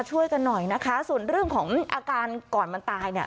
ช่วยกันหน่อยนะคะส่วนเรื่องของอาการก่อนมันตายเนี่ย